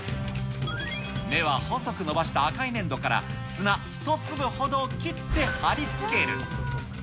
目は細く伸ばした赤い粘土から、砂１粒ほど切って貼り付ける。